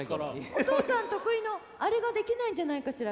お父さん得意のアレができないんじゃないかしら？